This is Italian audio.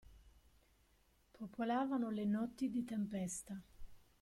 Popolavano le notti di tempesta.